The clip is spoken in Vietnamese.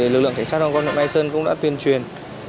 lực lượng cảnh sát giao thông cũng đã tuyên truyền